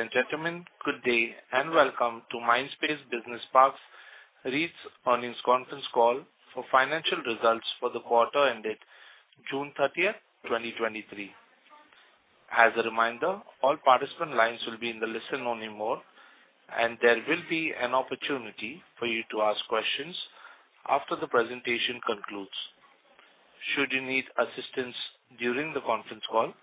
Ladies and gentlemen, good day, and welcome to Mindspace Business Parks REIT's Earnings Conference Call for financial results for the quarter ended 30 June 30th, 2023. As a reminder, all participant lines will be in the listen only mode, and there will be an opportunity for you to ask questions after the presentation concludes. Should you need assistance during the conference call,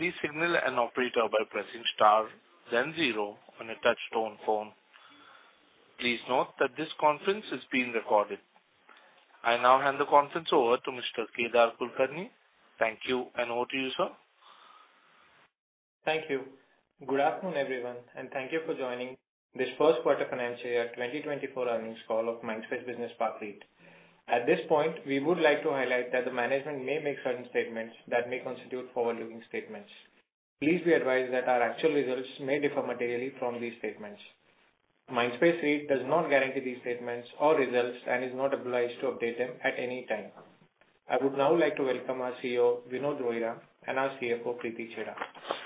please signal an operator by pressing star then zero on a touchtone phone. Please note that this conference is being recorded. I now hand the conference over to Mr. Kedar Kulkarni. Thank you, and over to you, sir. Thank you. Good afternoon, everyone, thank you for joining this first quarter financial year 2024 earnings call of Mindspace Business Parks REIT. At this point, we would like to highlight that the management may make certain statements that may constitute forward-looking statements. Please be advised that our actual results may differ materially from these statements. Mindspace REIT does not guarantee these statements or results, is not obliged to update them at any time. I would now like to welcome our CEO, Vinod Rohira, and our CFO, Preeti Chheda.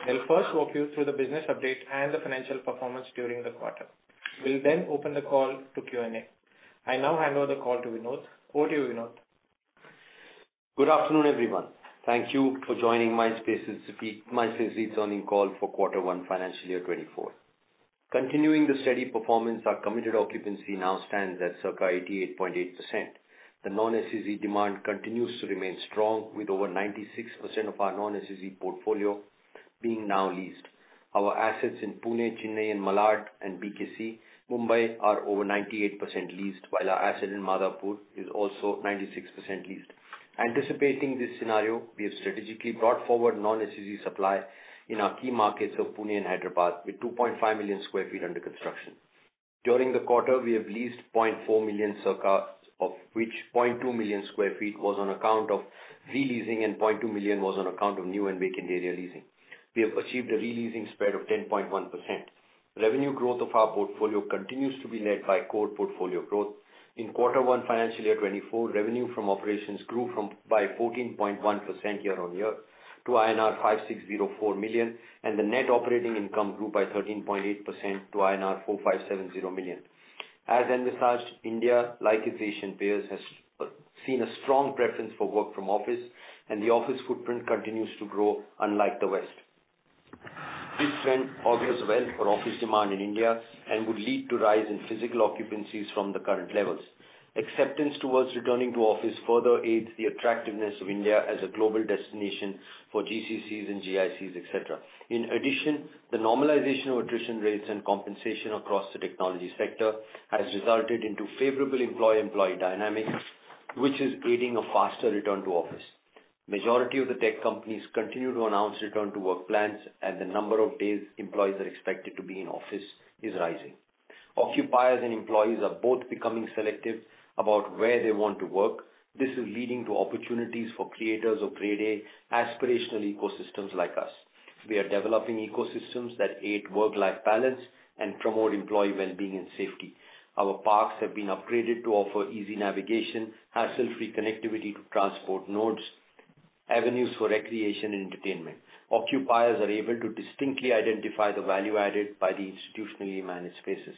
They'll first walk you through the business update and the financial performance during the quarter. We'll open the call to Q&A. I now hand over the call to Vinod. Over to you, Vinod. Good afternoon, everyone. Thank you for joining Mindspace REIT's earnings call for quarter 1, financial year 2024. Continuing the steady performance, our committed occupancy now stands at circa 88.8%. The non-SEZ demand continues to remain strong, with over 96% of our non-SEZ portfolio being now leased. Our assets in Pune, Chennai, and Malad, and BKC, Mumbai, are over 98% leased, while our asset in Madhapur is also 96% leased. Anticipating this scenario, we have strategically brought forward non-SEZ supply in our key markets of Pune and Hyderabad, with 2.5 million sq ft under construction. During the quarter, we have leased 0.4 million circa, of which 0.2 million sq ft was on account of re-leasing, and 0.2 million was on account of new and vacant area leasing. We have achieved a re-leasing spread of 10.1%. Revenue growth of our portfolio continues to be led by core portfolio growth. In quarter one, financial year 2024, revenue from operations grew by 14.1% year-on-year to INR 5,604 million. The net operating income grew by 13.8% to INR 4,570 million. As envisaged, India, like its Asian peers, has seen a strong preference for work from office, the office footprint continues to grow, unlike the West. This trend augurs well for office demand in India and would lead to rise in physical occupancies from the current levels. Acceptance towards returning to office further aids the attractiveness of India as a global destination for GCCs and GICs, et cetera. The normalization of attrition rates and compensation across the technology sector has resulted into favorable employee-employee dynamics, which is aiding a faster return to office. Majority of the tech companies continue to announce return to work plans. The number of days employees are expected to be in office is rising. Occupiers and employees are both becoming selective about where they want to work. This is leading to opportunities for creators of Grade A aspirational ecosystems like us. We are developing ecosystems that aid work-life balance and promote employee wellbeing and safety. Our parks have been upgraded to offer easy navigation, hassle-free connectivity to transport nodes, avenues for recreation and entertainment. Occupiers are able to distinctly identify the value added by the institutionally managed spaces.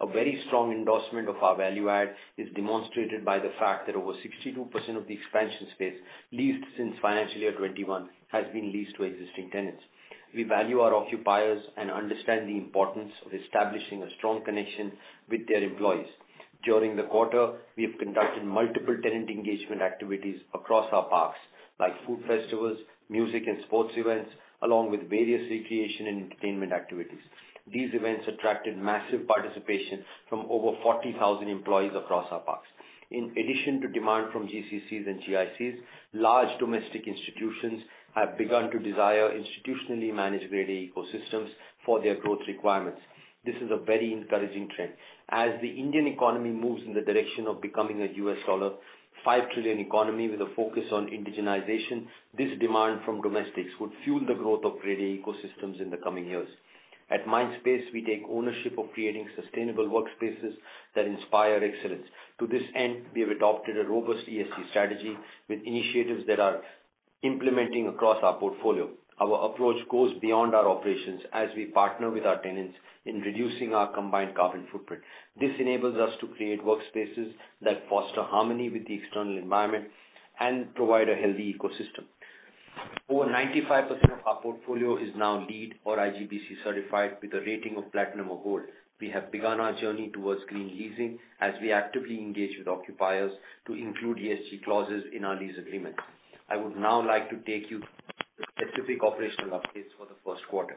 A very strong endorsement of our value add is demonstrated by the fact that over 62% of the expansion space leased since financial year 2021 has been leased to existing tenants. We value our occupiers and understand the importance of establishing a strong connection with their employees. During the quarter, we have conducted multiple tenant engagement activities across our parks, like food festivals, music and sports events, along with various recreation and entertainment activities. These events attracted massive participation from over 40,000 employees across our parks. In addition to demand from GCCs and GICs, large domestic institutions have begun to desire institutionally managed Grade A ecosystems for their growth requirements. This is a very encouraging trend. As the Indian economy moves in the direction of becoming a $5 trillion-economy with a focus on indigenization, this demand from domestics would fuel the growth of Grade A ecosystems in the coming years. At Mindspace, we take ownership of creating sustainable workspaces that inspire excellence. To this end, we have adopted a robust ESG strategy with initiatives that are implementing across our portfolio. Our approach goes beyond our operations as we partner with our tenants in reducing our combined carbon footprint. This enables us to create workspaces that foster harmony with the external environment and provide a healthy ecosystem. Over 95% of our portfolio is now LEED or IGBC certified with a rating of platinum or gold. We have begun our journey towards green leasing as we actively engage with occupiers to include ESG clauses in our lease agreements. I would now like to take you to specific operational updates for the first quarter.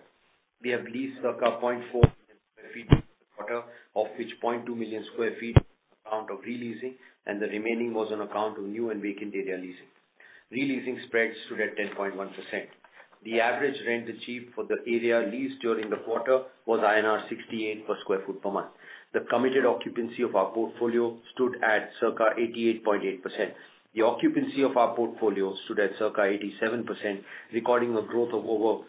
We have leased circa 0.4 million sq ft quarter, of which 0.2 million sq ft on account of re-leasing, and the remaining was on account of new and vacant area leasing. Re-leasing spreads stood at 10.1%. The average rent achieved for the area leased during the quarter was INR 68 per sq ft per month. The committed occupancy of our portfolio stood at circa 88.8%. The occupancy of our portfolio stood at circa 87%, recording a growth of over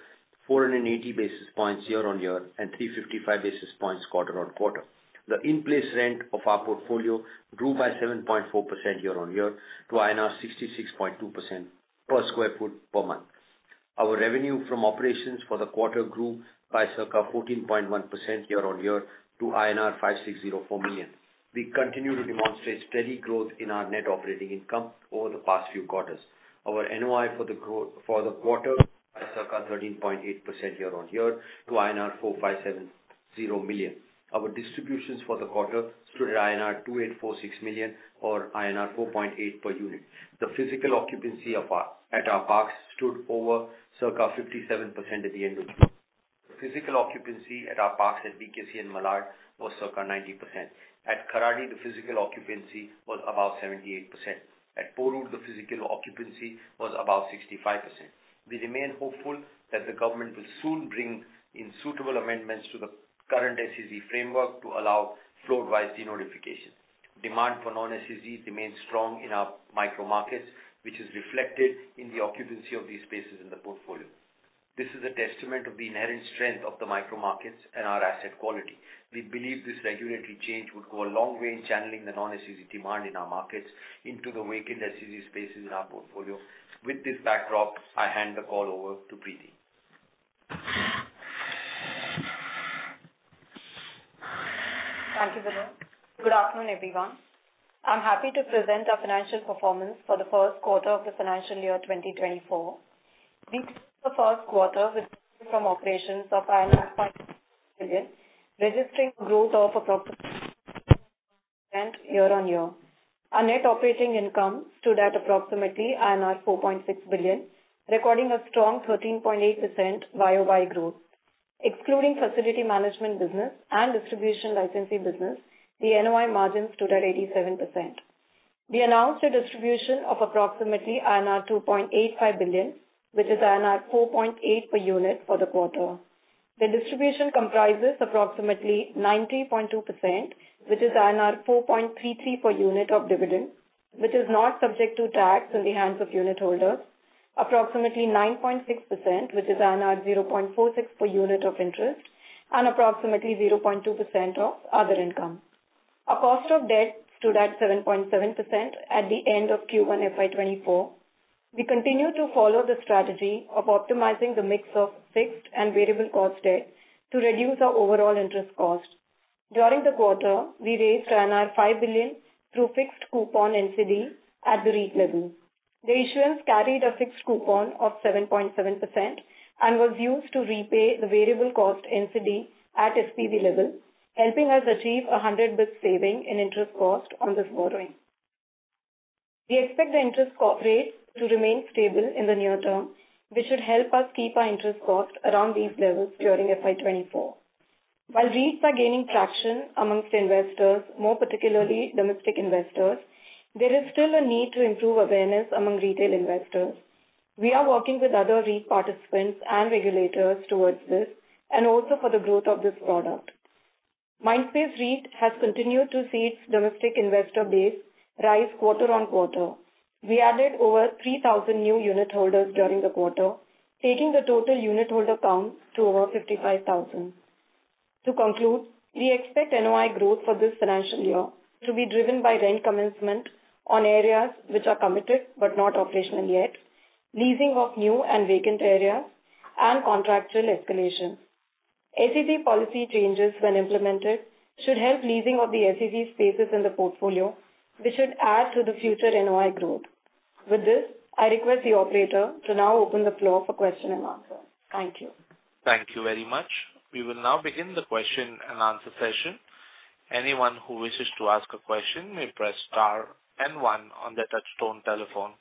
480 basis points year-on-year and 355 basis points quarter-over-quarter. The in-place rent of our portfolio grew by 7.4% year-on-year to INR 66.2 percent per square foot per month. Our revenue from operations for the quarter grew by circa 14.1% year-on-year to INR 5,604 million. We continue to demonstrate steady growth in our net operating income over the past few quarters. Our NOI for the quarter by circa 13.8% year-on-year to INR 4,570 million. Our distributions for the quarter stood at INR 2,846 million or INR 4.8 per unit. The physical occupancy at our parks stood over circa 57% at the end of. The physical occupancy at our parks at BKC and Malad was circa 90%. At Kharadi, the physical occupancy was about 78%. At Porur, the physical occupancy was about 65%. We remain hopeful that the government will soon bring in suitable amendments to the current SEZ framework to allow floor-wise denotification. Demand for non-SEZ remains strong in our micro markets, which is reflected in the occupancy of these spaces in the portfolio. This is a testament of the inherent strength of the micro markets and our asset quality. We believe this regulatory change would go a long way in channeling the non-SEZ demand in our markets into the vacant SEZ spaces in our portfolio. With this backdrop, I hand the call over to Preeti. Thank you, Vinod. Good afternoon, everyone. I'm happy to present our financial performance for the first quarter of the financial year 2024. In the first quarter, with from operations of 5 billion, registering growth of approximately [inaudible] percent year-on-year. Our net operating income stood at approximately INR 4.6 billion, recording a strong 13.8% YOY growth. Excluding facility management business and distribution licensing business, the NOI margin stood at 87%. We announced a distribution of approximately INR 2.85 billion, which is INR 4.8 per unit for the quarter. The distribution comprises approximately 90.2%, which is INR 4.33 per unit of dividend, which is not subject to tax in the hands of unit holders. Approximately 9.6%, which is 0.46 per unit of interest, and approximately 0.2% of other income. Our cost of debt stood at 7.7% at the end of Q1 FY 2024. We continue to follow the strategy of optimizing the mix of fixed and variable cost debt to reduce our overall interest cost. During the quarter, we raised 5 billion through fixed coupon NCD at the REIT level. The issuance carried a fixed coupon of 7.7% and was used to repay the variable cost NCD at SPV level, helping us achieve 100 basis points saving in interest cost on this borrowing. We expect the interest rates to remain stable in the near term, which should help us keep our interest cost around these levels during FY 2024. While REITs are gaining traction among investors, more particularly domestic investors, there is still a need to improve awareness among retail investors. We are working with other REIT participants and regulators towards this, and also for the growth of this product. Mindspace REIT has continued to see its domestic investor base rise quarter on quarter. We added over 3,000 new unit holders during the quarter, taking the total unit holder count to over 55,000. To conclude, we expect NOI growth for this financial year to be driven by rent commencement on areas which are committed but not operational yet, leasing of new and vacant areas, and contractual escalation. ACC policy changes, when implemented, should help leasing of the ACC spaces in the portfolio, which should add to the future NOI growth. With this, I request the operator to now open the floor for question and answer. Thank you. Thank you very much. We will now begin the question and answer session. Anyone who wishes to ask a question may press star and one on the touchtone telephone.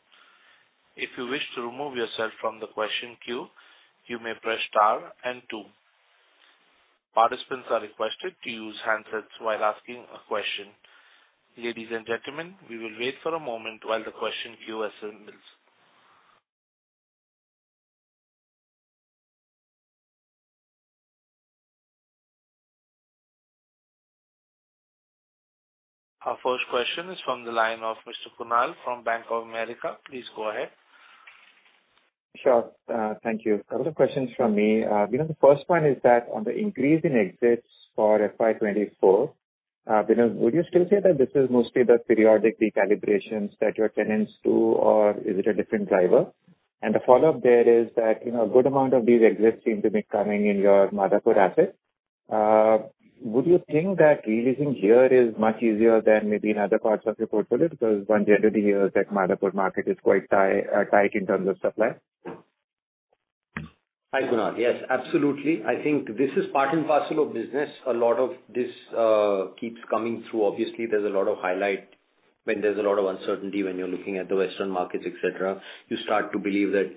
If you wish to remove yourself from the question queue, you may press star and two. Participants are requested to use handsets while asking a question. Ladies and gentlemen, we will wait for a moment while the question queue assembles. Our first question is from the line of Mr. Kunal from Bank of America. Please go ahead. Sure. Thank you. A couple of questions from me. You know, the first one is that on the increase in exits for FY 2024, Vinod, would you still say that this is mostly the periodic recalibrations that your tenants do, or is it a different driver? The follow-up there is that, you know, a good amount of these exits seem to be coming in your Madhapur assets. Would you think that leasing here is much easier than maybe in other parts of your portfolio? Because one generally hears that Madhapur market is quite tight in terms of supply. Hi, Kunal. Yes, absolutely. I think this is part and parcel of business. A lot of this keeps coming through. Obviously, there's a lot of highlight when there's a lot of uncertainty when you're looking at the Western markets, et cetera. You start to believe that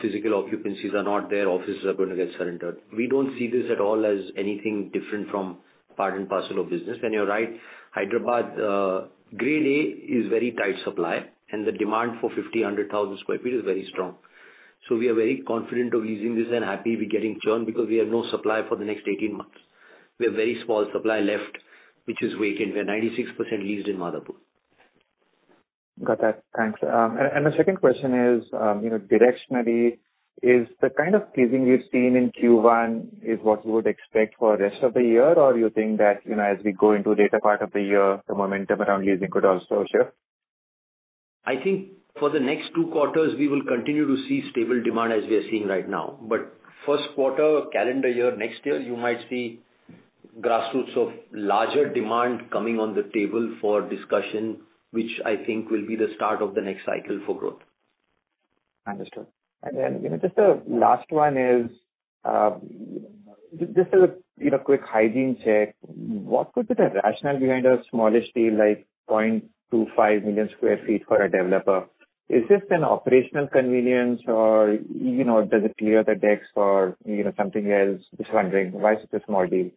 physical occupancies are not there, offices are going to get surrendered. We don't see this at all as anything different from part and parcel of business. You're right, Hyderabad, Grade A is very tight supply, and the demand for 50, 100 thousand sq ft is very strong. We are very confident of using this and happy we're getting churn because we have no supply for the next 18 months. We have very small supply left, which is vacant. We're 96% leased in Madhapur. Got that. Thanks. The second question is, you know, directionally, is the kind of leasing you've seen in Q1 is what you would expect for the rest of the year, or you think that, you know, as we go into later part of the year, the momentum around leasing could also shift?... I think for the next two quarters, we will continue to see stable demand as we are seeing right now. First quarter, calendar year, next year, you might see grassroots of larger demand coming on the table for discussion, which I think will be the start of the next cycle for growth. Understood. Just the last one is, just as a, you know, quick hygiene check, what could be the rationale behind a smallish deal like 0.25 million sq ft for a developer? Is this an operational convenience or, you know, does it clear the decks or, you know, something else? Just wondering, why is it a small deal?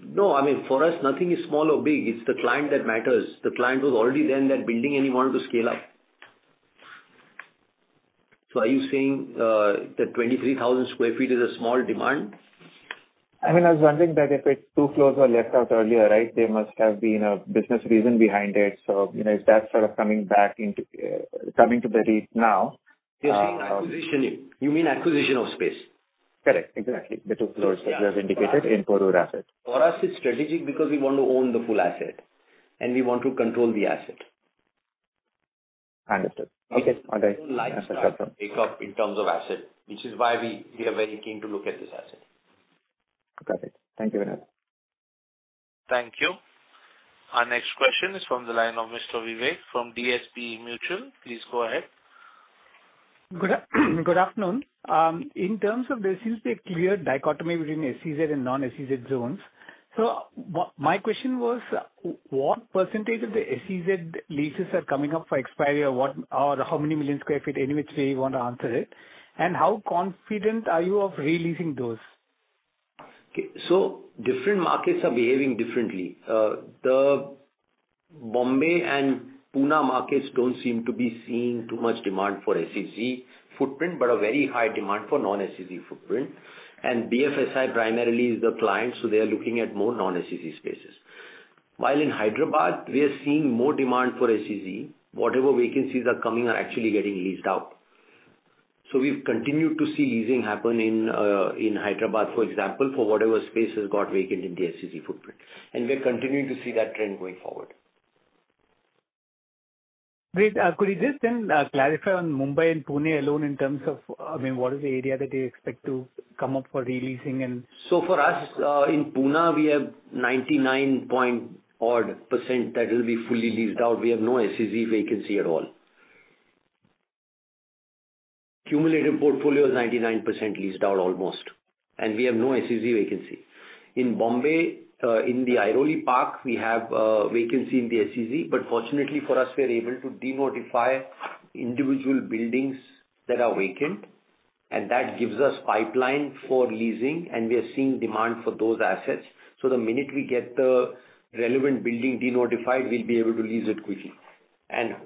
No, I mean, for us, nothing is small or big. It's the client that matters. The client was already there in that building, and he wanted to scale up. Are you saying that 23,000 sq ft is a small demand? I mean, I was wondering that if it's two floors were left out earlier, right, there must have been a business reason behind it. You know, if that's sort of coming to the REIT now. You're saying acquisition. You mean acquisition of space? Correct. Exactly. The two floors that you have indicated in Koramangala asset. For us, it's strategic because we want to own the full asset, and we want to control the asset. Understood. Okay. All right. We like pick up in terms of asset, which is why we are very keen to look at this asset. Got it. Thank you very much. Thank you. Our next question is from the line of Mr. Vivek from DSP Mutual. Please go ahead. Good afternoon. In terms of the SEZ, a clear dichotomy between SEZ and non-SEZ zones. My question was, what percentage of the SEZ leases are coming up for expiry, or how many million sq ft, any which way you want to answer it, and how confident are you of re-leasing those? Different markets are behaving differently. The Bombay and Pune markets don't seem to be seeing too much demand for SEZ footprint, but a very high demand for non-SEZ footprint. BFSI primarily is the client, so they are looking at more non-SEZ spaces. While in Hyderabad, we are seeing more demand for SEZ. Whatever vacancies are coming are actually getting leased out. We've continued to see leasing happen in Hyderabad, for example, for whatever space has got vacant in the SEZ footprint, and we're continuing to see that trend going forward. Great. Could you just then clarify on Mumbai and Pune alone in terms of, I mean, what is the area that you expect to come up for re-leasing and- For us, in Pune, we have 99 point odd % that will be fully leased out. We have no SEZ vacancy at all. Cumulative portfolio is 99% leased out almost, and we have no SEZ vacancy. In Bombay, in the Airoli Park, we have vacancy in the SEZ, but fortunately for us, we are able to denotify individual buildings that are vacant, and that gives us pipeline for leasing, and we are seeing demand for those assets. The minute we get the relevant building denotified, we'll be able to lease it quickly.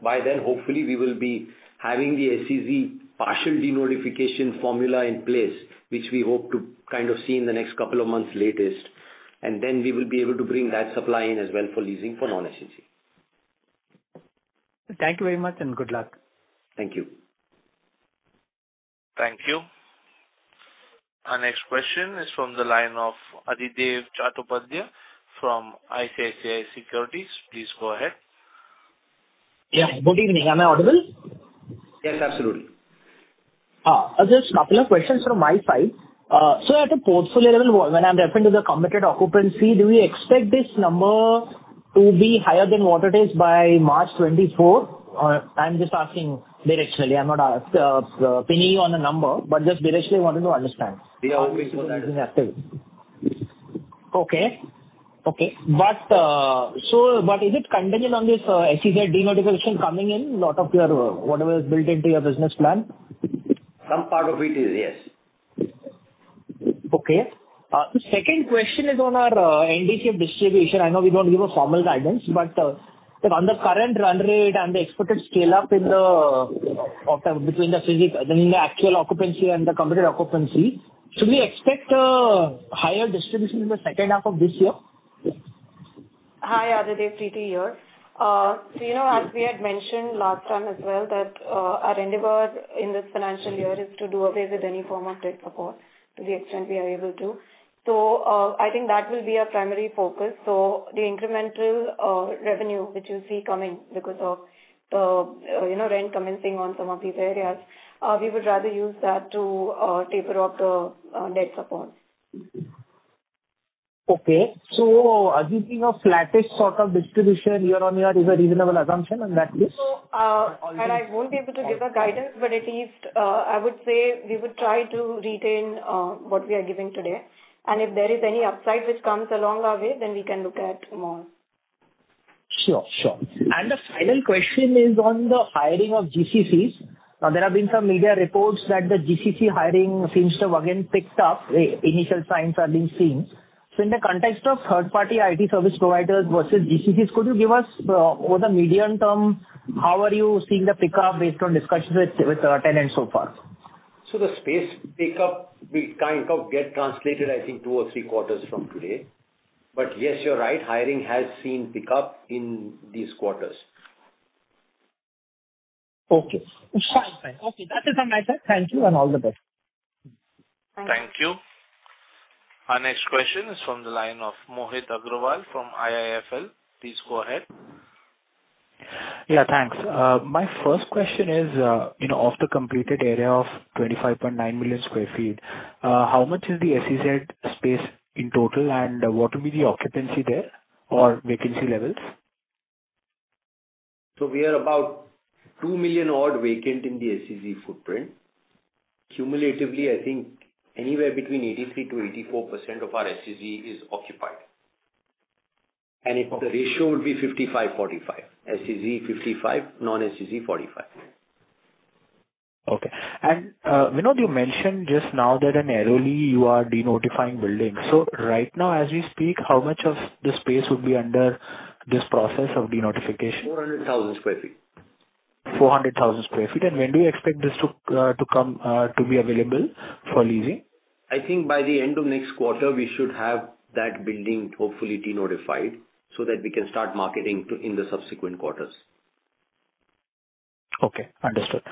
By then, hopefully, we will be having the SEZ partial denotification formula in place, which we hope to kind of see in the next couple of months latest, then we will be able to bring that supply in as well for leasing for non-SEZ. Thank you very much and good luck. Thank you. Thank you. Our next question is from the line of Adhidev Chattopadhyay from ICICI Securities. Please go ahead. Yes, good evening. Am I audible? Yes, absolutely. Just a couple of questions from my side. At a portfolio level, when I'm referring to the committed occupancy, do you expect this number to be higher than what it is by March 2024? I'm just asking directionally, I'm not pinning you on a number, but just directionally wanted to understand. We are hoping for that. Is it contingent on this, SEZ denotification coming in, lot of your, whatever is built into your business plan? Some part of it is, yes. Okay. The second question is on our NDCF distribution. I know we don't give a formal guidance, on the current run rate and the expected scale-up between the physical, then the actual occupancy and the committed occupancy, should we expect a higher distribution in the second half of this year? Hi, Adhidev, Preeti here. You know, as we had mentioned last time as well, that our endeavor in this financial year is to do away with any form of debt support to the extent we are able to. I think that will be our primary focus. The incremental revenue which you see coming because of, you know, rent commencing on some of these areas, we would rather use that to taper off the debt support. Okay. Are we seeing a flattish sort of distribution year-on-year is a reasonable assumption on that base? I won't be able to give a guidance, but at least I would say we would try to retain what we are giving today. If there is any upside which comes along our way, then we can look at more. Sure, sure. The final question is on the hiring of GCCs. There have been some media reports that the GCC hiring seems to have again picked up. The initial signs are being seen. In the context of third-party IT service providers versus GCCs, could you give us over the medium term, how are you seeing the pickup based on discussions with our tenants so far? The space pickup, we kind of get translated, I think, two or three quarters from today. Yes, you're right, hiring has seen pickup in these quarters. Okay. Fine, fine. Okay, that is on my side. Thank you, and all the best. Thank you. Our next question is from the line of Mohit Agrawal from IIFL. Please go ahead. Thanks. My first question is, you know, of the completed area of 25.9 million sq ft, how much is the SEZ space in total, and what will be the occupancy there or vacancy levels? We are about two million odd vacant in the SEZ footprint. Cumulatively, I think anywhere between 83%-84% of our SEZ is occupied. And if- The ratio would be 55, 45. SEZ 55, non-SEZ 45. Okay. Vinod, you mentioned just now that in Airoli, you are denotifying buildings. Right now, as we speak, how much of the space would be under this process of denotification? 400,000 sq ft. 400,000 sq ft. When do you expect this to come to be available for leasing? I think by the end of next quarter, we should have that building hopefully denotified so that we can start marketing to, in the subsequent quarters. Okay, understood.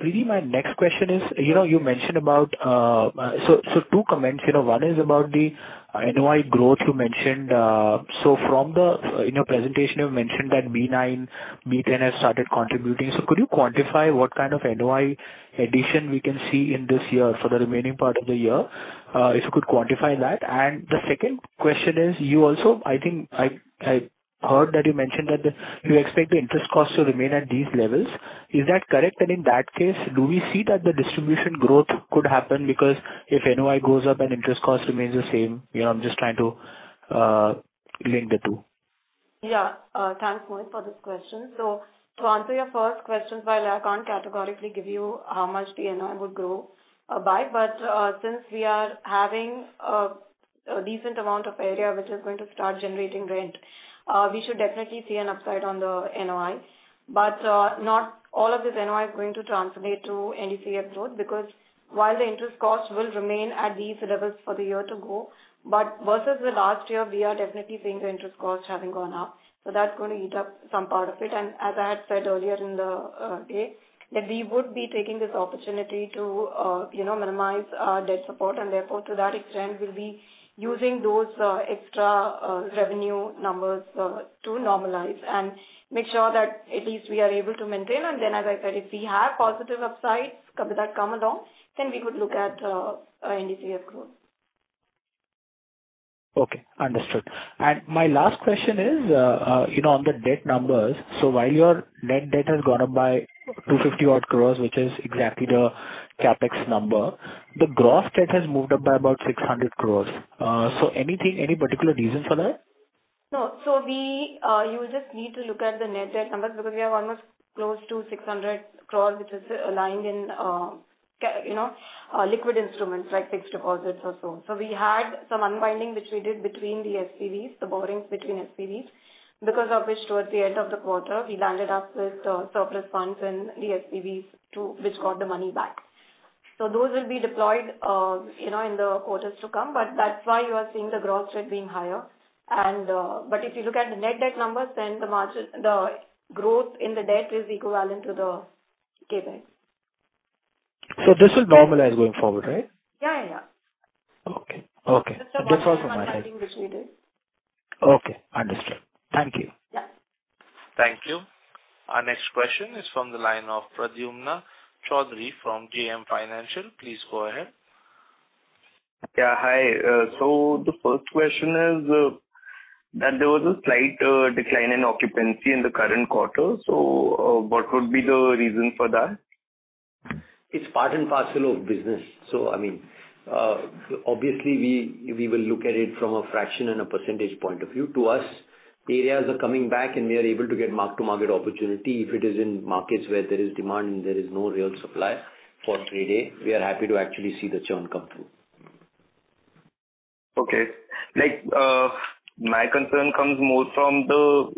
Really my next question is, you know, you mentioned about two comments. You know, one is about the NOI growth you mentioned. In your presentation, you mentioned that B9, B10 has started contributing. Could you quantify what kind of NOI addition we can see in this year for the remaining part of the year? If you could quantify that. The second question is: you also, I think I heard that you mentioned that you expect the interest costs to remain at these levels. Is that correct? In that case, do we see that the distribution growth could happen? Because if NOI goes up and interest cost remains the same, you know, I'm just trying to link the two. Yeah. Thanks, Mohit, for this question. To answer your first question, while I can't categorically give you how much the NOI would grow by, since we are having a decent amount of area which is going to start generating rent, we should definitely see an upside on the NOI. Not all of this NOI is going to translate to NDCF growth, because while the interest costs will remain at these levels for the year to go, but versus the last year, we are definitely seeing the interest costs having gone up. That's going to eat up some part of it. As I had said earlier in the day, that we would be taking this opportunity to, you know, minimize our debt support, and therefore, to that extent, we'll be using those extra revenue numbers to normalize and make sure that at least we are able to maintain. As I said, if we have positive upsides that come along, then we could look at our NDCF growth. Okay, understood. My last question is, you know, on the debt numbers, so while your net debt has gone up by 250 odd crores, which is exactly the CapEx number, the gross debt has moved up by about 600 crores. Anything, any particular reason for that? No. We, you just need to look at the net debt numbers, because we have almost close to 600 crore, which is aligned in, you know, liquid instruments, like fixed deposits or so. We had some unwinding, which we did between the SPVs, the borrowings between SPVs, because of which, towards the end of the quarter, we landed up with surplus funds in the SPVs which got the money back. Those will be deployed, you know, in the quarters to come, that's why you are seeing the gross debt being higher. If you look at the net debt numbers, then the margin, the growth in the debt is equivalent to the CapEx. This will normalize going forward, right? Yeah, yeah. Okay. Okay. It's the borrowing unwinding which we did. Okay, understood. Thank you. Yeah. Thank you. Our next question is from the line of Pradyumna Choudhary from JM Financial. Please go ahead. Yeah, hi. The first question is, that there was a slight decline in occupancy in the current quarter, so, what would be the reason for that? It's part and parcel of business. I mean, obviously, we will look at it from a fraction and a percentage point of view. To us, areas are coming back, and we are able to get mark-to-market opportunity. If it is in markets where there is demand and there is no real supply for Grade A, we are happy to actually see the churn come through. Okay. Like, my concern comes more from the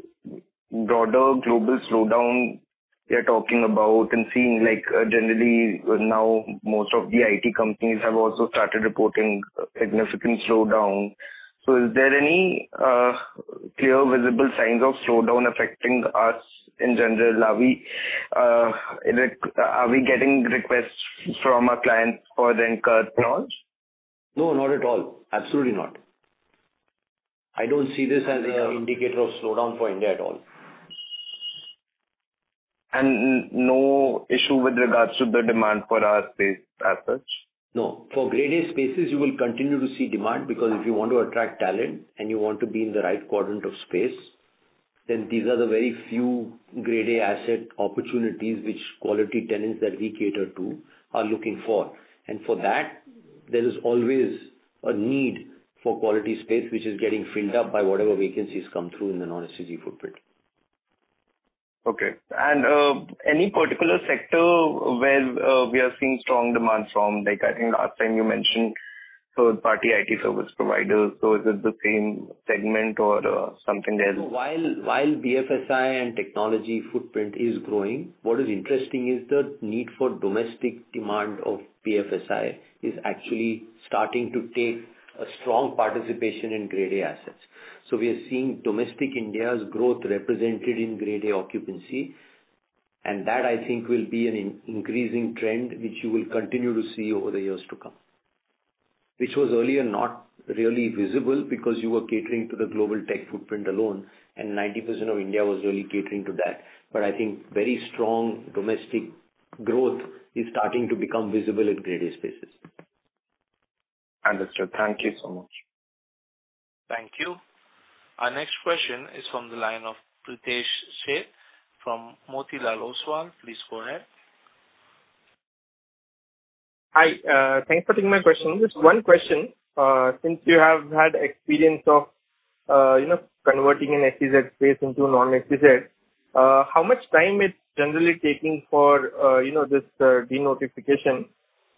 broader global slowdown we are talking about and seeing, like, generally now, most of the IT companies have also started reporting significant slowdown. Is there any clear visible signs of slowdown affecting us in general? Are we getting requests from our clients for the incurred launch? No, not at all. Absolutely not. I don't see this as an indicator of slowdown for India at all. No issue with regards to the demand for our space as such? No. For Grade A spaces, you will continue to see demand, because if you want to attract talent and you want to be in the right quadrant of space, then these are the very few Grade A asset opportunities which quality tenants that we cater to are looking for. For that, there is always a need for quality space, which is getting filled up by whatever vacancies come through in the non-SEZ footprint. Okay. Any particular sector where we are seeing strong demand from? Like, I think last time you mentioned third-party IT service providers, so is it the same segment or something? While BFSI and technology footprint is growing, what is interesting is the need for domestic demand of BFSI is actually starting to take a strong participation in Grade A assets. We are seeing domestic India's growth represented in Grade A occupancy, and that I think will be an increasing trend, which you will continue to see over the years to come. Which was earlier not really visible because you were catering to the global tech footprint alone, and 90% of India was really catering to that. I think very strong domestic growth is starting to become visible in Grade A spaces. Understood. Thank you so much. Thank you. Our next question is from the line of Pritesh Sheth, from Motilal Oswal. Please go ahead. Hi, thanks for taking my question. Just one question. Since you have had experience of, you know, converting an SEZ space into a non-SEZ, how much time it's generally taking for, you know, this denotification?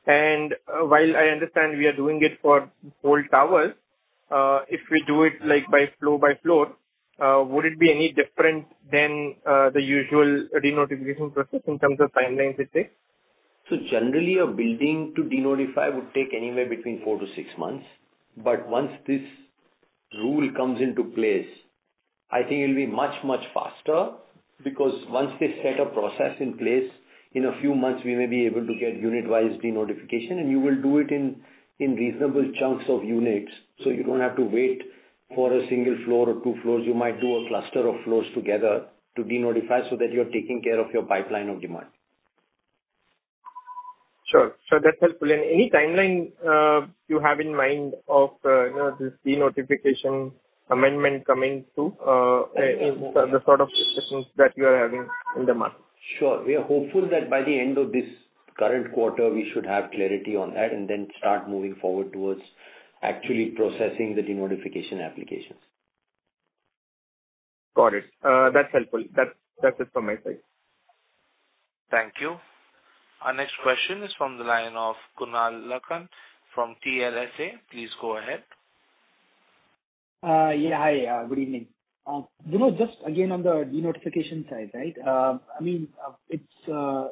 While I understand we are doing it for whole towers, if we do it like by floor, by floor, would it be any different than the usual denotification process in terms of timelines it takes? Generally, a building to denotify would take anywhere between four to six months. Once this rule comes into place, I think it'll be much, much faster. Once they set a process in place, in a few months, we may be able to get unit-wide denotification, and you will do it in reasonable chunks of units, so you don't have to wait for a single floor or two floors. You might do a cluster of floors together to denotify, so that you're taking care of your pipeline of demand. Sure. That's helpful. Any timeline, you have in mind of, you know, this denotification amendment coming to in the sort of discussions that you are having in the market? Sure. We are hopeful that by the end of this current quarter, we should have clarity on that, and then start moving forward towards actually processing the denotification applications. Got it. That's helpful. That's it from my side. Thank you. Our next question is from the line of Kunal Lakhan from CLSA. Please go ahead. Yeah. Hi, good evening. You know, just again, on the denotification side, right? I mean, it's the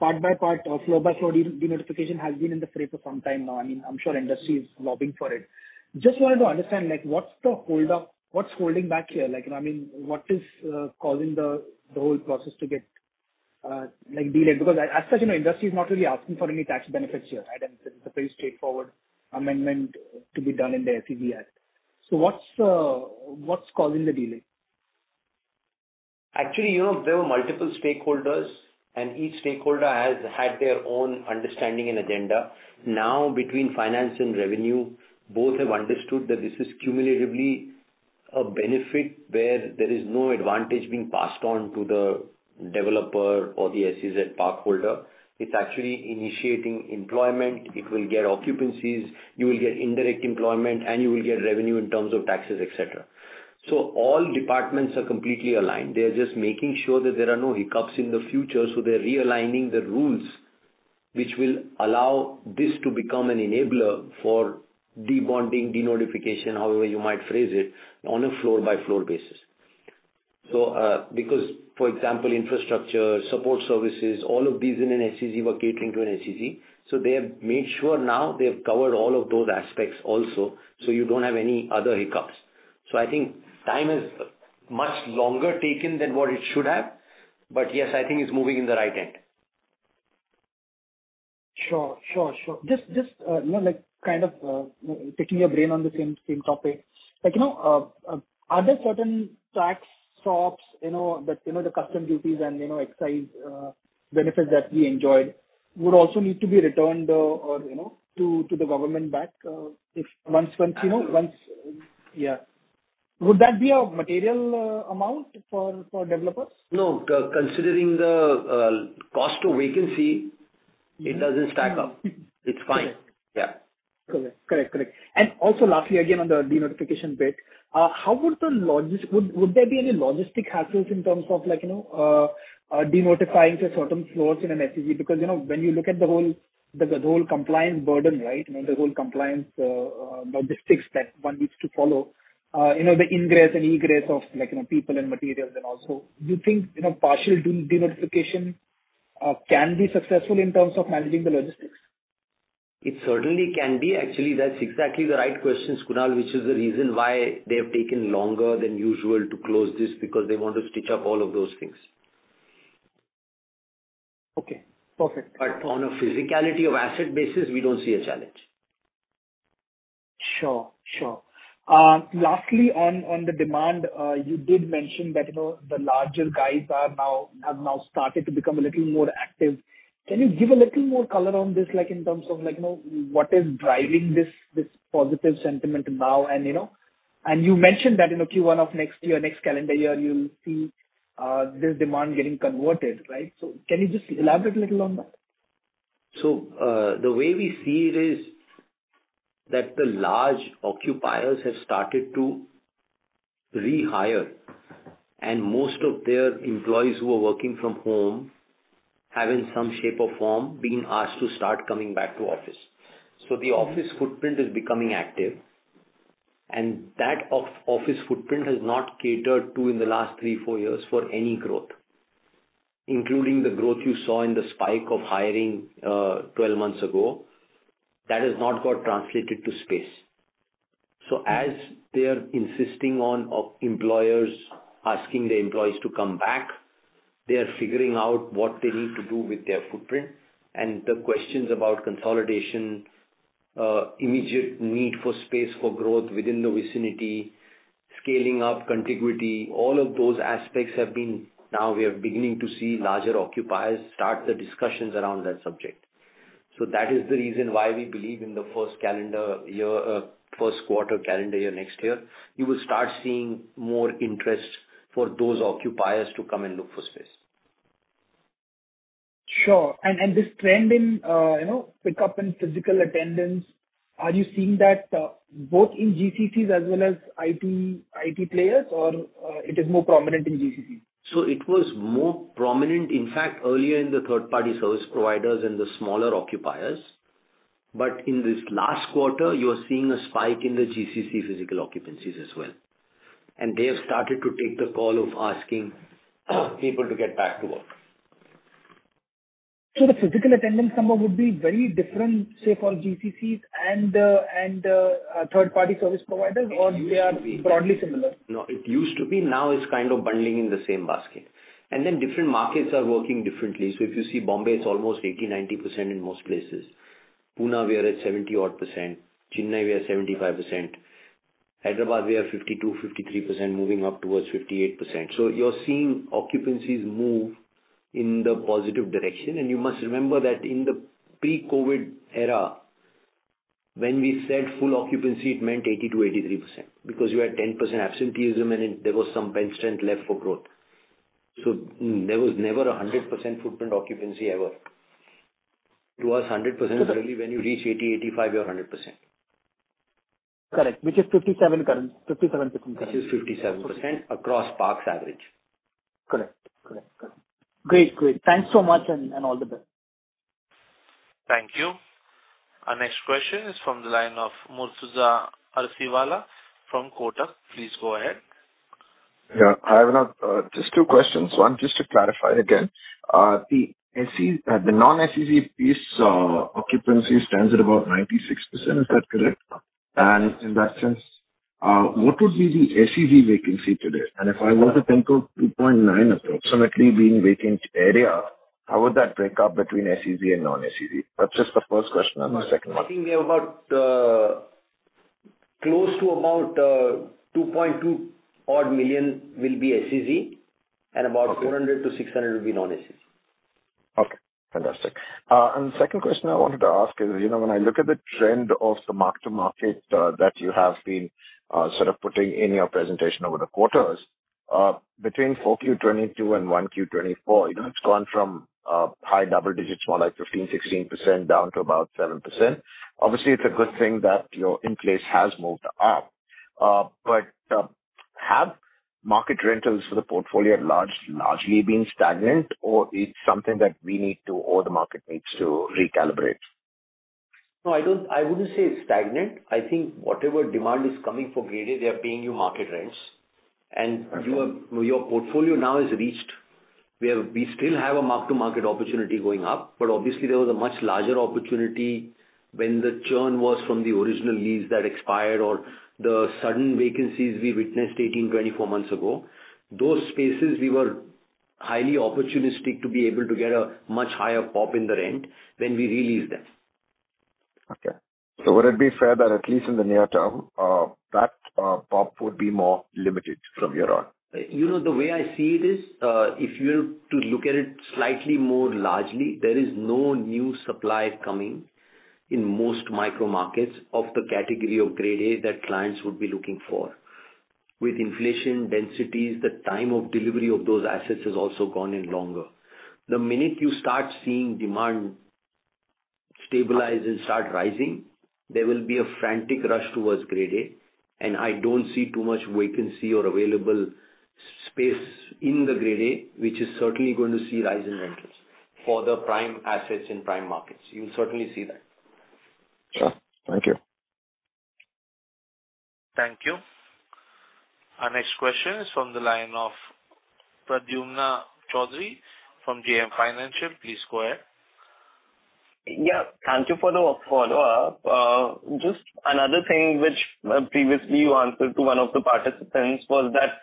part by part or floor by floor denotification has been in the fray for some time now. I mean, I'm sure industry is lobbying for it. Just wanted to understand, like, what's the holdup? What's holding back here? Like, I mean, what is causing the whole process to get like delayed? Because as such, you know, industry is not really asking for any tax benefits here, right? It's a very straightforward amendment to be done in the SEZ Act. What's causing the delay? Actually, you know, there were multiple stakeholders, and each stakeholder has had their own understanding and agenda. Now, between finance and revenue, both have understood that this is cumulatively a benefit where there is no advantage being passed on to the developer or the SEZ park holder. It's actually initiating employment. It will get occupancies, you will get indirect employment, and you will get revenue in terms of taxes, et cetera. All departments are completely aligned. They are just making sure that there are no hiccups in the future, so they're realigning the rules, which will allow this to become an enabler for debonding, denotification, however you might phrase it, on a floor-by-floor basis. Because, for example, infrastructure, support services, all of these in an SEZ were catering to an SEZ. They have made sure now they have covered all of those aspects also, so you don't have any other hiccups. I think time is much longer taken than what it should have. Yes, I think it's moving in the right end. Sure, sure. Just, you know, like, kind of, picking your brain on the same topic. Like, you know, are there certain tax stops, you know, that, you know, the custom duties and, you know, excise benefits that we enjoyed would also need to be returned, or, you know, to the government back, if once, you know, once... Yeah. Would that be a material amount for developers? No, considering the cost to vacancy, it doesn't stack up. Mm-hmm. It's fine. Okay. Yeah. Correct. Correct, correct. Also, lastly, again, on the denotification bit, how would there be any logistic hassles in terms of like, you know, denotifying to certain floors in an SEZ? You know, when you look at the whole, the whole compliance burden, right, you know, the whole compliance logistics that one needs to follow, you know, the ingress and egress of, like, you know, people and materials, also, do you think, you know, partial denotification can be successful in terms of managing the logistics? It certainly can be. Actually, that's exactly the right question, Kunal, which is the reason why they have taken longer than usual to close this, because they want to stitch up all of those things. Okay, perfect. On a physicality of asset basis, we don't see a challenge. Sure, sure. Lastly, on the demand, you did mention that, you know, the larger guys have now started to become a little more active. Can you give a little more color on this, like, in terms of like, you know, what is driving this positive sentiment now and, you know? You mentioned that in Q1 of next year, next calendar year, you'll see this demand getting converted, right? Can you just elaborate a little on that? The way we see it is that the large occupiers have started to rehire, and most of their employees who are working from home have in some shape or form been asked to start coming back to office. The office footprint is becoming active, and that office footprint has not catered to in the last three, four years for any growth, including the growth you saw in the spike of hiring 12 months ago that has not got translated to space. As they are insisting on employers asking their employees to come back, they are figuring out what they need to do with their footprint. The questions about consolidation, immediate need for space for growth within the vicinity, scaling up contiguity, all of those aspects have been. Now we are beginning to see larger occupiers start the discussions around that subject. That is the reason why we believe in the first calendar year, first quarter calendar year next year, you will start seeing more interest for those occupiers to come and look for space. Sure. This trend in, you know, pickup in physical attendance, are you seeing that both in GCCs as well as IT players, or it is more prominent in GCC? It was more prominent, in fact, earlier in the third-party service providers and the smaller occupiers. In this last quarter, you are seeing a spike in the GCC physical occupancies as well. They have started to take the call of asking people to get back to work. The physical attendance number would be very different, say, for GCCs and third-party service providers, or they are broadly similar? No, it used to be. Now it's kind of bundling in the same basket. Different markets are working differently. If you see Bombay, it's almost 80%-90% in most places. Pune, we are at 70% odd. Chennai, we are 75%. Hyderabad, we are 52%-53%, moving up towards 58%. You're seeing occupancies move in the positive direction. You must remember that in the pre-COVID era, when we said full occupancy, it meant 80%-83%, because you had 10% absenteeism, and there was some bench strength left for growth. There was never a 100% footprint occupancy ever. It was 100% really when you reach 80, 85, you're 100%. Correct. Which is 57 current, 57%. Which is 57% across parks average. Correct. Correct. Great. Great. Thanks so much and all the best. Thank you. Our next question is from the line of Murtuza Arsiwalla from Kotak. Please go ahead. Yeah, I have just two questions. One, just to clarify again, the SEZ, the non-SEZ piece, occupancy stands at about 96%. Is that correct? In that sense, what would be the SEZ vacancy today? If I were to think of 2.9 approximately being vacant area, how would that break up between SEZ and non-SEZ? That's just the first question, and the second one. I think we have about, close to about, 2.2 odd million will be SEZ. Okay. 400-600 will be non-SEZ. Okay, fantastic. The second question I wanted to ask is, you know, when I look at the trend of the mark-to-market that you have been sort of putting in your presentation over the quarters, between 4Q 2022 and 1Q 2024, you know, it's gone from high double digits, more like 15%-16%, down to about 7%. Obviously, it's a good thing that your in-place has moved up, but have market rentals for the portfolio largely been stagnant, or it's something that we need to or the market needs to recalibrate? No, I wouldn't say stagnant. I think whatever demand is coming for Grade A, they are paying you market rents. Okay. Your portfolio now is reached. We still have a mark-to-market opportunity going up, but obviously there was a much larger opportunity when the churn was from the original lease that expired or the sudden vacancies we witnessed 18, 24 months ago. Those spaces, we were highly opportunistic to be able to get a much higher pop in the rent when we re-leased them. Okay. Would it be fair that at least in the near term, that, pop would be more limited from here on? You know, the way I see it is, if you're to look at it slightly more largely, there is no new supply coming in most micro markets of the category of Grade A that clients would be looking for. With inflation, densities, the time of delivery of those assets has also gone in longer. The minute you start seeing demand stabilize and start rising, there will be a frantic rush towards Grade A, and I don't see too much vacancy or available space in the Grade A, which is certainly going to see a rise in rentals for the prime assets in prime markets. You'll certainly see that. Sure. Thank you. Thank you. Our next question is from the line of Pradyumna Choudhary from JM Financial. Please go ahead. Thank you for the follow-up. Just another thing which previously you answered to one of the participants, was that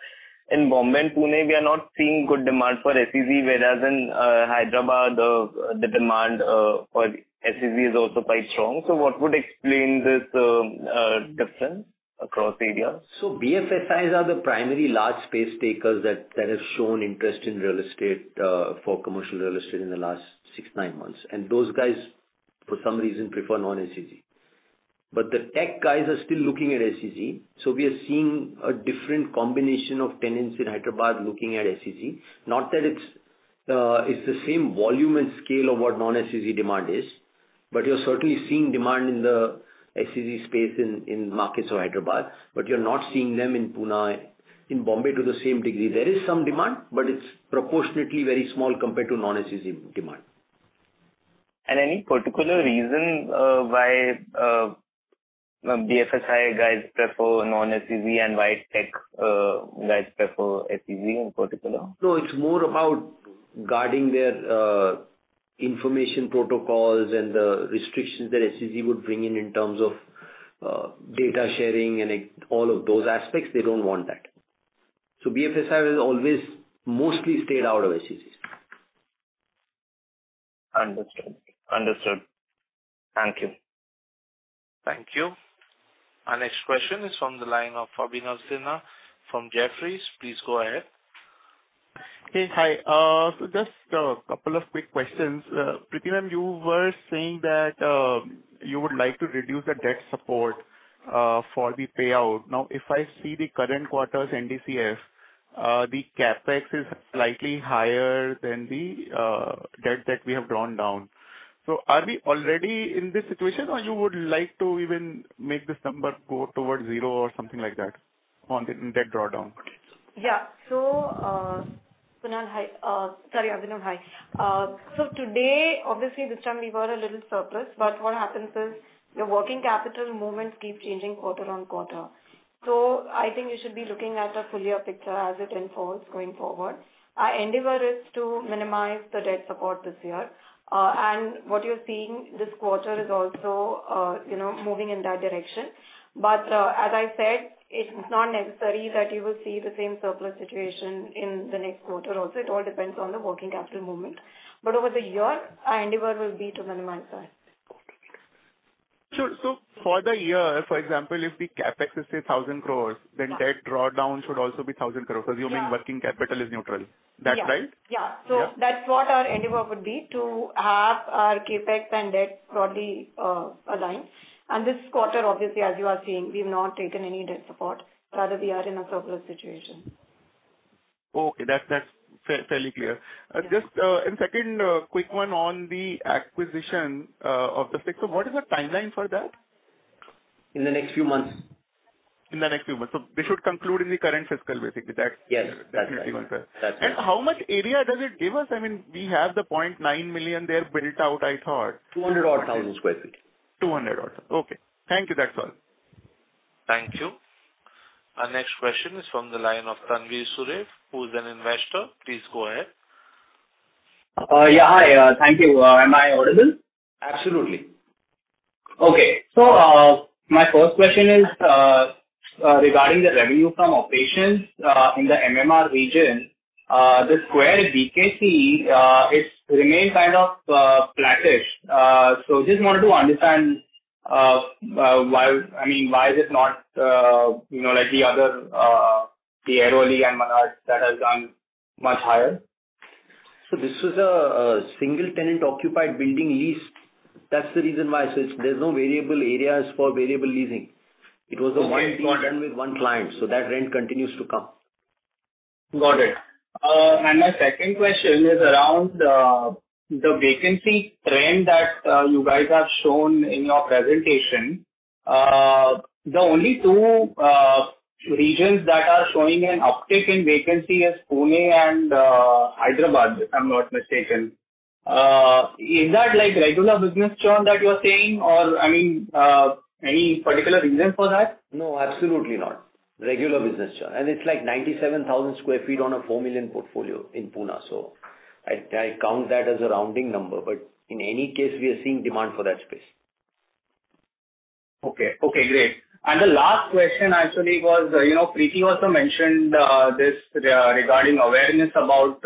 in Bombay and Pune, we are not seeing good demand for SEZ, whereas in Hyderabad, the demand for SEZ is also quite strong. What would explain this difference across areas? BFSI are the primary large space takers that have shown interest in real estate, for commercial real estate in the last six, nine months. Those guys, for some reason, prefer non-SEZ. The tech guys are still looking at SEZ. We are seeing a different combination of tenants in Hyderabad looking at SEZ. Not that it's the same volume and scale of what non-SEZ demand is, but you're certainly seeing demand in the SEZ space in markets of Hyderabad, but you're not seeing them in Pune, in Bombay to the same degree. There is some demand. It's proportionately very small compared to non-SEZ demand. ... any particular reason why BFSI guys prefer non-SEZ and why tech guys prefer SEZ in particular? No, it's more about guarding their information protocols and the restrictions that SEZ would bring in terms of data sharing and all of those aspects. They don't want that. BFSI will always mostly stay out of SEZs. Understood. Understood. Thank you. Thank you. Our next question is from the line of Abhinav Sinha from Jefferies. Please go ahead. Hey, hi. Just a couple of quick questions. Preeti, ma'am, you were saying that, you would like to reduce the debt support, for the payout. Now, if I see the current quarter's NDCF, the CapEx is slightly higher than the debt that we have drawn down. Are we already in this situation, or you would like to even make this number go towards zero or something like that on the debt drawdown? Sorry, Abhinav, hi. Today, obviously, this time we were a little surplus, but what happens is your working capital movements keep changing quarter-on-quarter. I think you should be looking at a full-year picture as it unfolds going forward. Our endeavor is to minimize the debt support this year. What you're seeing this quarter is also, you know, moving in that direction. As I said, it's not necessary that you will see the same surplus situation in the next quarter also. It all depends on the working capital movement, but over the year, our endeavor will be to minimize that. Sure. For the year, for example, if the CapEx is say, 1,000 crores, then debt drawdown should also be 1,000 crores, assuming- Yeah. Working capital is neutral. Is that right? Yeah. Yeah. That's what our endeavor would be, to have our CapEx and debt broadly aligned. This quarter, obviously, as you are seeing, we've not taken any debt support. Rather, we are in a surplus situation. Okay, that's fairly clear. Yeah. Just, and second, quick one on the acquisition, of the 6th. What is the timeline for that? In the next few months. In the next few months. We should conclude in the current fiscal, basically. Yes, that's right. That's. How much area does it give us? I mean, we have the 0.9 million there built out, I thought. 200,000 odd sq ft. 200 odd. Okay. Thank you. That's all. Thank you. Our next question is from the line of Tanvir Suresh, who is an investor. Please go ahead. Yeah, hi. Thank you. Am I audible? Absolutely. Okay. My first question is regarding the revenue from operations in the MMR region. The Square BKC, it's remained kind of flattish. Just wanted to understand, why, I mean, why is it not, you know, like the other, the Airoli and Malad that has done much higher? This was a single tenant occupied building lease. That's the reason why. There's no variable areas for variable leasing. Okay, got it. It was a one deal done with one client. That rent continues to come. Got it. My second question is around the vacancy trend that you guys have shown in your presentation. The only two regions that are showing an uptick in vacancy is Pune and Hyderabad, if I'm not mistaken. Is that like regular business churn that you're saying or, I mean, any particular reason for that? No, absolutely not. Regular business churn. It's like 97,000 sq ft on a four million portfolio in Pune, so I count that as a rounding number. In any case, we are seeing demand for that space. Okay. Okay, great. The last question actually was, you know, Preeti also mentioned this regarding awareness about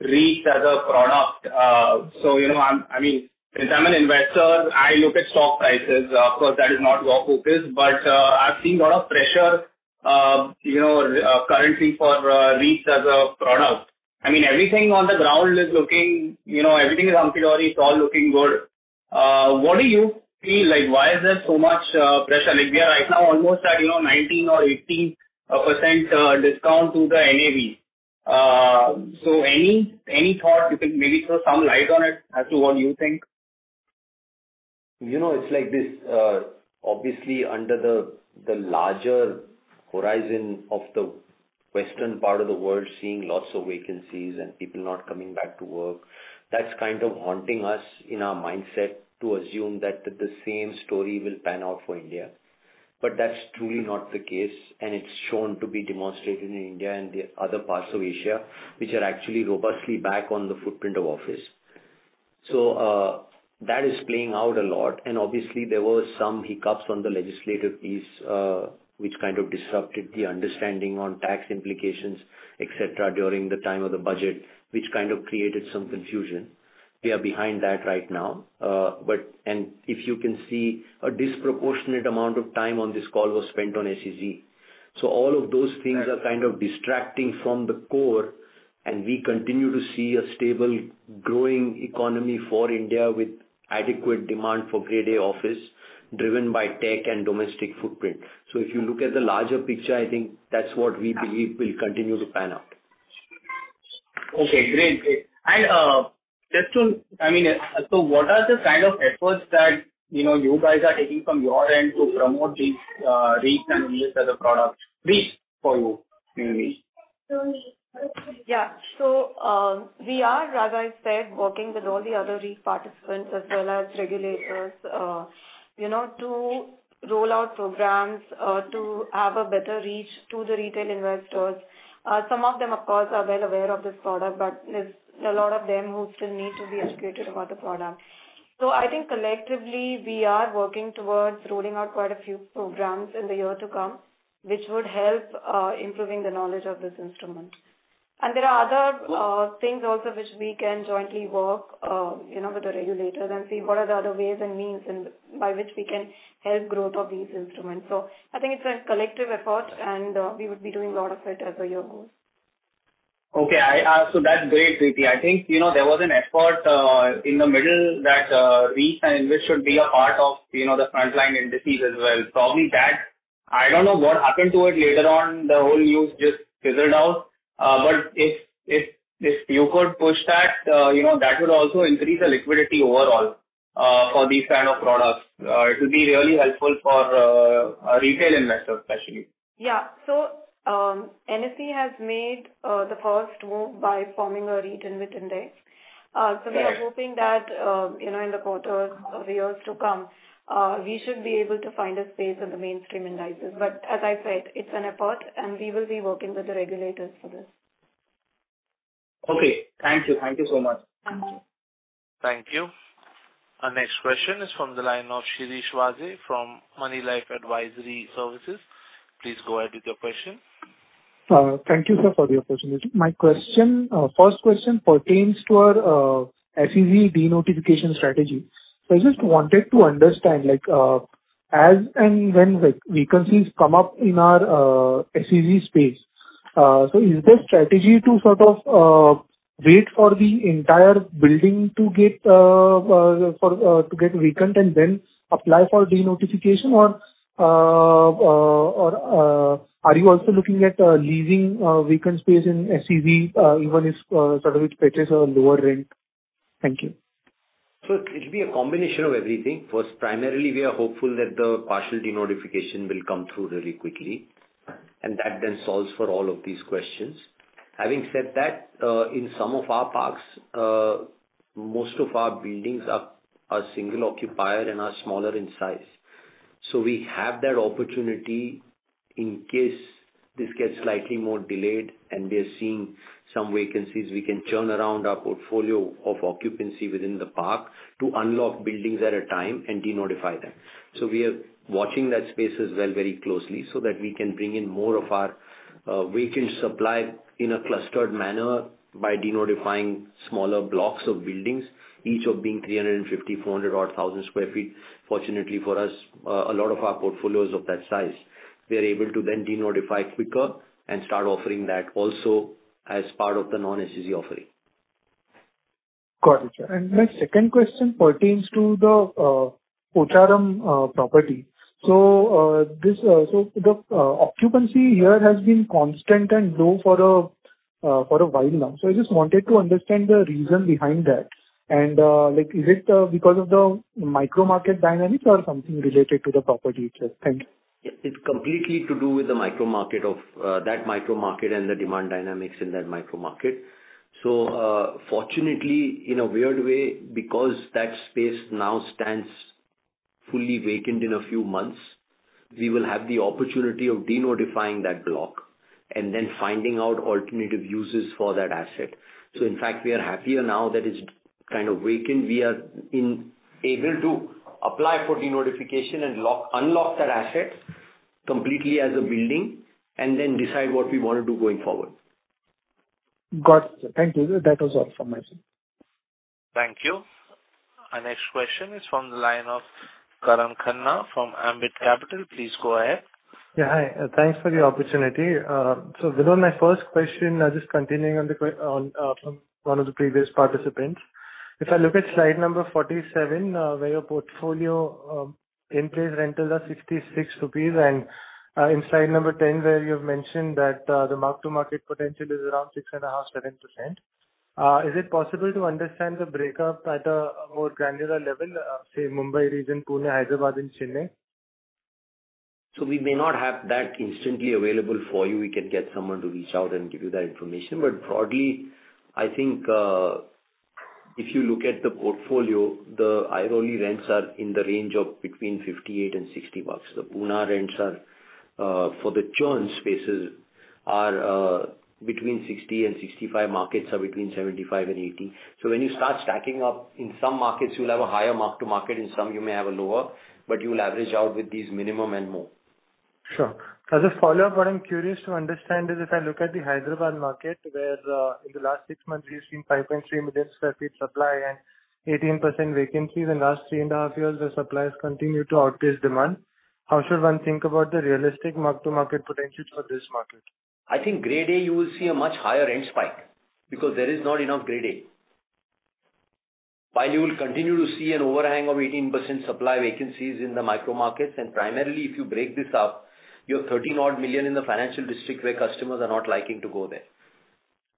REIT as a product. You know, I mean, since I'm an investor, I look at stock prices. Of course, that is not your focus, but I've seen a lot of pressure, you know, currently for REITs as a product. I mean, everything on the ground is looking, you know, everything is hunky-dory, it's all looking good. What do you feel like, why is there so much pressure? We are right now almost at, you know, 19% or 18% discount to the NAV. Any thought you can maybe throw some light on it as to what you think? You know, it's like this, obviously, under the larger horizon of the western part of the world, seeing lots of vacancies and people not coming back to work, that's kind of haunting us in our mindset to assume that the same story will pan out for India. That's truly not the case, and it's shown to be demonstrated in India and the other parts of Asia, which are actually robustly back on the footprint of office. That is playing out a lot. Obviously, there were some hiccups on the legislative piece, which kind of disrupted the understanding on tax implications, et cetera, during the time of the budget, which kind of created some confusion. We are behind that right now. If you can see, a disproportionate amount of time on this call was spent on SEZ. All of those things are. Right. kind of distracting from the core, and we continue to see a stable, growing economy for India, with adequate demand for Grade A office, driven by tech and domestic footprint. If you look at the larger picture, I think that's what we believe will continue to pan out. Okay, great. I mean, what are the kind of efforts that, you know, you guys are taking from your end to promote this REIT and REIT as a product? REIT for you, mainly. REIT-... Yeah. We are, as I said, working with all the other REIT participants as well as regulators, you know, to roll out programs to have a better reach to the retail investors. Some of them, of course, are well aware of this product, but there's a lot of them who still need to be educated about the product. I think collectively, we are working towards rolling out quite a few programs in the year to come, which would help improving the knowledge of this instrument. There are other things also which we can jointly work, you know, with the regulators and see what are the other ways and means and by which we can help growth of these instruments. I think it's a collective effort, and we would be doing a lot of it as the year goes. Okay, I, so that's great, Preeti. I think, you know, there was an effort in the middle that REIT and which should be a part of, you know, the frontline indices as well. Probably that, I don't know what happened to it later on, the whole use just fizzled out. If, if you could push that, you know, that would also increase the liquidity overall for these kind of products. It will be really helpful for a retail investor, especially. Yeah. NSE has made the first move by forming a REIT index within index. Yeah. We are hoping that, you know, in the quarters of the years to come, we should be able to find a space in the mainstream indices. But as I said, it's an effort, and we will be working with the regulators for this. Okay. Thank you. Thank you so much. Thank you. Thank you. Our next question is from the line of Shirish Waje from Moneylife Advisory Services. Please go ahead with your question. Thank you, sir, for the opportunity. My question, first question pertains to our SEZ de-notification strategy. I just wanted to understand, like, as and when, like, vacancies come up in our SEZ space, is there a strategy to sort of wait for the entire building to get vacant and then apply for de-notification? Are you also looking at leasing vacant space in SEZ, even if, sort of, it fetches a lower rent? Thank you. It'll be a combination of everything. First, primarily, we are hopeful that the partial de-notification will come through really quickly, and that then solves for all of these questions. Having said that, in some of our parks, most of our buildings are single occupier and are smaller in size. We have that opportunity in case this gets slightly more delayed and we are seeing some vacancies, we can turn around our portfolio of occupancy within the park to unlock buildings at a time and de-notify them. We are watching that space as well very closely so that we can bring in more of our vacant supply in a clustered manner by de-notifying smaller blocks of buildings, each of being 350, 400 or 1,000 sq ft. Fortunately for us, a lot of our portfolio is of that size. We are able to then de-notify quicker and start offering that also as part of the non-SEZ offering. Got it, sir. My second question pertains to the Pocharam property. This, so the occupancy here has been constant and low for a while now. I just wanted to understand the reason behind that. Like, is it because of the micro market dynamics or something related to the property itself? Thank you. It's completely to do with the micro market of that micro market and the demand dynamics in that micro market. Fortunately, in a weird way, because that space now stands fully vacant in a few months, we will have the opportunity of denotifying that block and then finding out alternative uses for that asset. In fact, we are happier now that it's kind of vacant. We are able to apply for denotification and unlock that asset completely as a building and then decide what we want to do going forward. Got it, sir. Thank you. That was all from my side. Thank you. Our next question is from the line of Karan Khanna from Ambit Capital. Please go ahead. Hi. Thanks for the opportunity. Vidhu, my first question, just continuing on from one of the previous participants. If I look at slide number 47, where your portfolio in-place rentals are 66 rupees, and, in slide number 10, where you've mentioned that, the mark-to-market potential is around 6.5%-7%. Is it possible to understand the breakup at a more granular level, say, Mumbai region, Pune, Hyderabad, and Chennai? We may not have that instantly available for you. We can get someone to reach out and give you that information. Broadly, I think, if you look at the portfolio, the Airoli rents are in the range of between INR 58-60. The Pune rents are, for the churn spaces are, between 60-65, markets are between 75-80. When you start stacking up, in some markets, you'll have a higher mark-to-market, in some you may have a lower, but you will average out with these minimum and more. Sure. As a follow-up, what I'm curious to understand is, if I look at the Hyderabad market, where in the last 6 months, we've seen 5.3 million sq ft supply and 18% vacancies. In the last 3.5 years, the suppliers continue to outpace demand. How should one think about the realistic mark-to-market potential for this market? I think Grade A, you will see a much higher rent spike, because there is not enough Grade A. While you will continue to see an overhang of 18% supply vacancies in the micro markets, primarily, if you break this up, you have 30-odd million in the financial district, where customers are not liking to go there.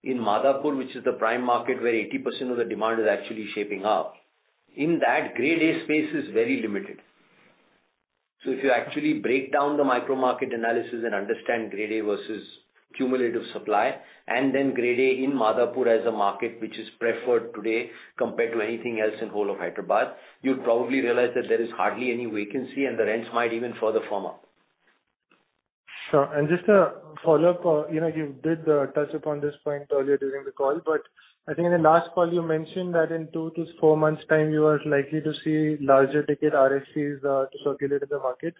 In Madhapur, which is the prime market, where 80% of the demand is actually shaping up, in that Grade A space is very limited. If you actually break down the micro market analysis and understand Grade A versus cumulative supply, and then Grade A in Madhapur as a market, which is preferred today compared to anything else in whole of Hyderabad, you'd probably realize that there is hardly any vacancy, and the rents might even further firm up. Sure. Just a follow-up, you know, you did touch upon this point earlier during the call, but I think in the last call, you mentioned that in two-four months' time, you are likely to see larger ticket RFPs to circulate in the market.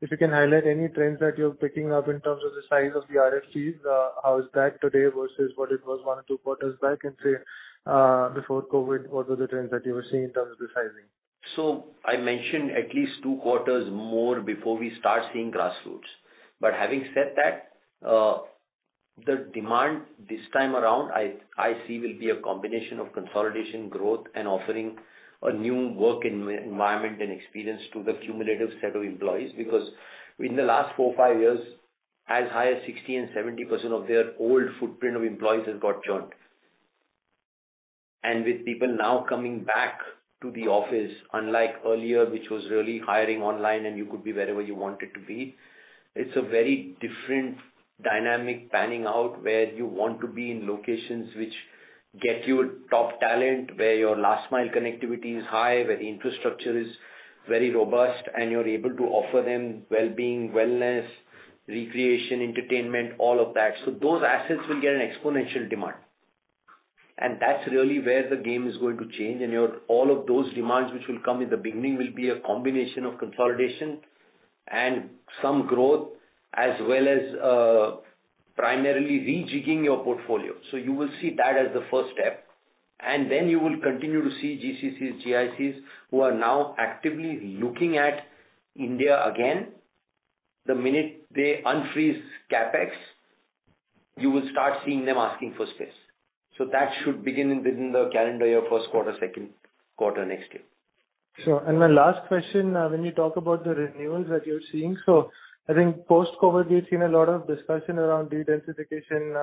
If you can highlight any trends that you're picking up in terms of the size of the RFPs, how is that today versus what it was one or two quarters back, and say, before COVID, what were the trends that you were seeing in terms of the sizing? I mentioned at least two quarters more before we start seeing grassroots. Having said that, the demand this time around, I see will be a combination of consolidation, growth, and offering a new work environment and experience to the cumulative set of employees. Because in the last four, five years, as high as 60% and 70% of their old footprint of employees has got churned. With people now coming back to the office, unlike earlier, which was really hiring online, and you could be wherever you wanted to be, it's a very different dynamic panning out, where you want to be in locations which get you top talent, where your last mile connectivity is high, where the infrastructure is very robust, and you're able to offer them well-being, wellness, recreation, entertainment, all of that. Those assets will get an exponential demand, and that's really where the game is going to change. All of those demands, which will come in the beginning, will be a combination of consolidation and some growth, as well as primarily rejigging your portfolio. You will see that as the first step. Then you will continue to see GCCs, GICs, who are now actively looking at India again. The minute they unfreeze CapEx, you will start seeing them asking for space. That should begin within the calendar year, first quarter, second quarter next year. Sure. My last question, when you talk about the renewals that you're seeing, I think post-COVID, we've seen a lot of discussion around de-densification,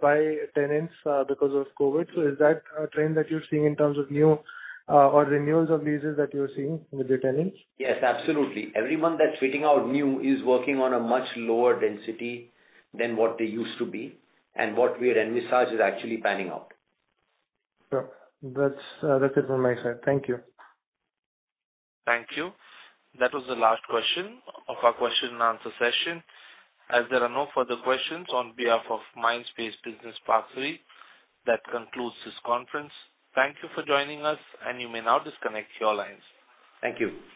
by tenants, because of COVID. Is that a trend that you're seeing in terms of new, or renewals of leases that you're seeing with the tenants? Yes, absolutely. Everyone that's fitting out new is working on a much lower density than what they used to be. What we had envisaged is actually panning out. Sure. That's, that's it from my side. Thank you. Thank you. That was the last question of our question and answer session. As there are no further questions, on behalf of Mindspace Business Parks REIT, that concludes this conference. Thank you for joining us, and you may now disconnect your lines. Thank you.